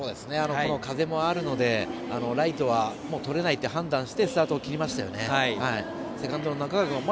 風もあるのでライトはとれないと判断してスタートを切りましたよね。